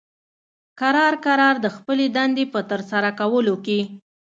کرار کرار د خپلې دندې په ترسره کولو کې